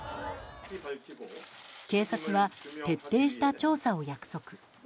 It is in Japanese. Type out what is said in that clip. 警察は徹底した調査を約束。